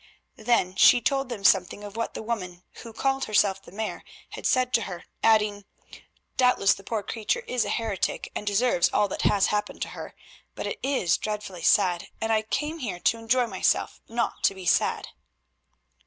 Then she told them something of what the woman who called herself the Mare had said to her, adding, "Doubtless the poor creature is a heretic and deserves all that has happened to her. But it is dreadfully sad, and I came here to enjoy myself, not to be sad."